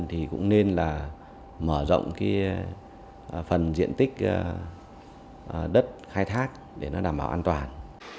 thì cũng nên là mở rộng cái phần diện tích đất khai thác để nó đảm bảo an toàn